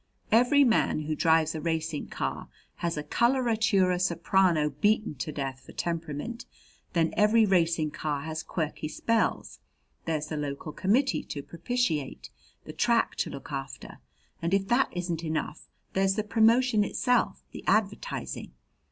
Every man who drives a racing car has a coloratura soprano beaten to death for temperament. Then every racing car has quirky spells; there's the local committee to propitiate; the track to look after; and if that isn't enough, there's the promotion itself, the advertising.